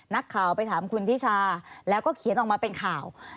นักข่าวไปถามคุณทิชาแล้วก็เขียนออกมาเป็นข่าว